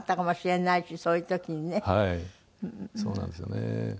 そうなんですよね。